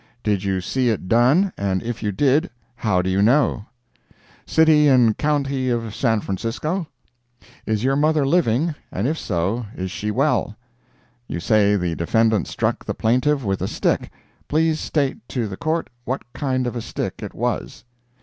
"Did you see it done, and if you did, how do you know?" "City and County of San Francisco?" "Is your mother living, and if so, is she well?" "You say the defendant struck the plaintiff with a stick. Please state to the Court what kind of a stick it was?"